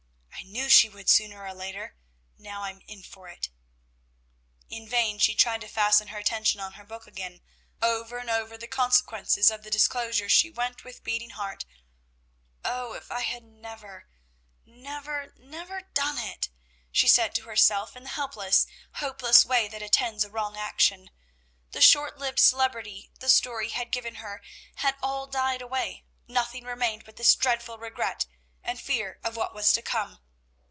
"I knew she would sooner or later. Now I'm in for it!" In vain she tried to fasten her attention on her book again. Over and over the consequences of the disclosure she went with beating heart. "Oh, if I had never, never, never done it!" she said to herself in the helpless, hopeless way that attends a wrong action. The short lived celebrity the story had given her had all died away, nothing remained but this dreadful regret, and fear of what was to come.